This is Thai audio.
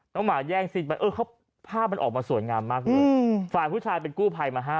น้องหมาแย่งซีนภาพมันออกมาสวยงามมากเลย